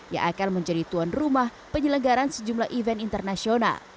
yang akan menjadi tuan rumah penyelenggaran sejumlah event internasional